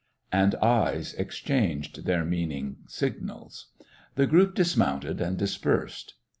And eyes exchanged their meaning signals. The group dismounted and dispersed.